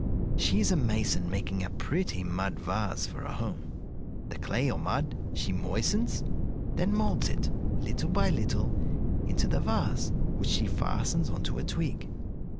She is a mason, making a pretty mud vase for a home. The clay, or mud, she moistens, then moulds it, little by little, into the vase, which she fastens on to a twig.